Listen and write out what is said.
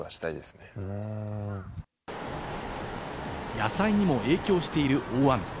野菜にも影響している大雨。